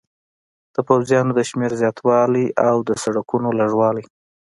د پوځیانو د شمېر زیاتوالی او د سړکونو لږوالی.